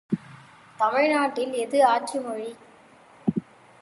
தமிழ் நாட்டில் எது ஆட்சி மொழி?